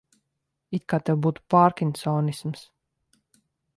It kā tev būtu pārkinsonisms.